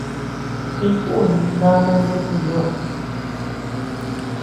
Sï kun dama nuku ñeʼed.